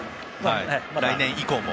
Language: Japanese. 来年以降も。